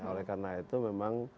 oleh karena itu memang